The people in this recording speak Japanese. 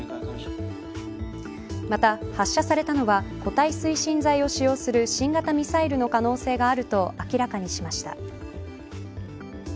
また発射されたのは固体推進剤を使用する新型ミサイルの可能性があると明らかにしました。